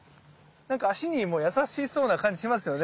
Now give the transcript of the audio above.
なんか足にも優しそうな感じしますよね。